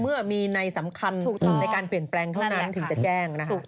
เมื่อมีในสำคัญในการเปลี่ยนแปลงเท่านั้นถึงจะแจ้งนะคะ